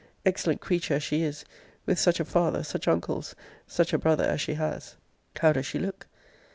Excellent creature as she is! with such a father, such uncles, such a brother, as she has! How does she look?